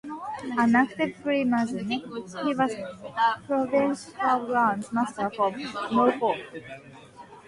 An active Freemason, he was Provincial Grand Master for Norfolk.